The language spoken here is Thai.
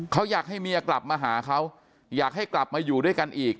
เขาอยากให้เมียกลับมาหาเขาอยากให้กลับมาอยู่ด้วยกันอีก